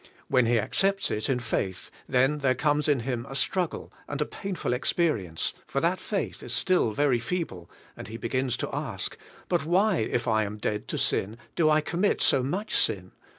When he accepts it in faith, then there comes in him a struggle, and a painful experience, for that faith is still very feeble, and he begins to ask, "But why, if I am dead to sin, do I commit so much sin?"